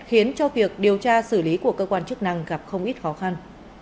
khiến cho việc điều tra xử lý của cơ quan chức năng gặp không ít khó khăn